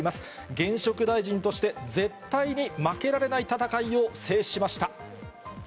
現職大臣として絶対に負けられない戦いを制しました。